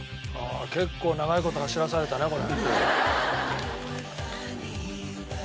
結構長い事走らされたねこれ。